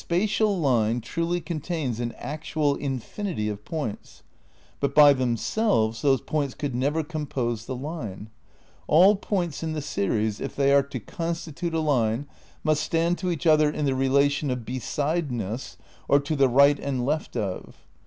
IV THE CRITICAL PREPARATIONS 145 "A spatial line truly contains an actual infinity of points, but by themselves those points could never compose the line ... all points in the series, if they are to constitute a line, must stand to each other in the relation of 'besideness' or 'to the right and left of.